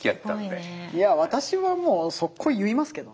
いや私はもうそっこう言いますけどね。